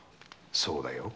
そうだよ。